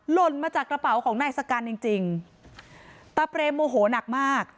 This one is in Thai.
หล่นมาจากกระเป๋าของนายสกันจริงจริงตาเปรมโมโหนักมาก